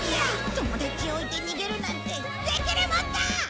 友達を置いて逃げるなんてできるもんか！